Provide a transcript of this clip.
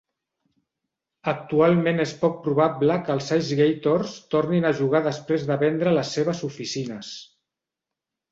Actualment és poc probable que els IceGators tornin a jugar després de vendre les seves oficines.